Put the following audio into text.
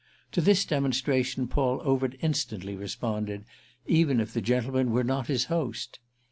To this demonstration Paul Overt instantly responded, even if the gentleman were not his host.